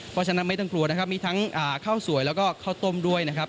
เพราะฉะนั้นไม่ต้องกลัวนะครับมีทั้งข้าวสวยแล้วก็ข้าวต้มด้วยนะครับ